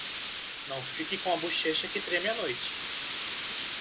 Não fique com a bochecha que treme à noite.